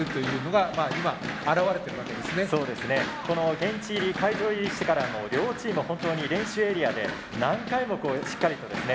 現地入り会場入りしてからも両チーム本当に練習エリアで何回もこうしっかりとですね